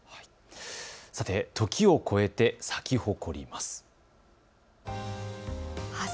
さて時を超えて咲き誇ります。